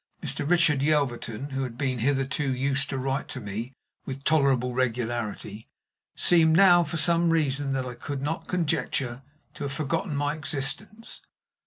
Mr. Richard Yelverton, who had been hitherto used to write to me with tolerable regularity, seemed now, for some reason that I could not conjecture, to have forgotten my existence.